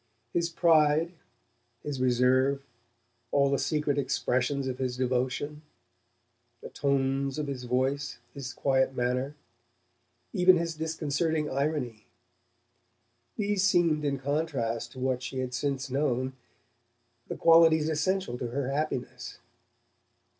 His pride, his reserve, all the secret expressions of his devotion, the tones of his voice, his quiet manner, even his disconcerting irony: these seemed, in contrast to what she had since known, the qualities essential to her happiness.